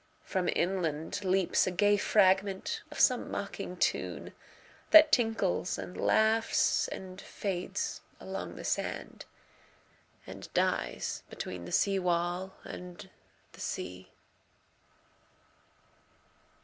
From inlandLeaps a gay fragment of some mocking tune, That tinkles and laughs and fades along the sand, And dies between the seawall and the sea.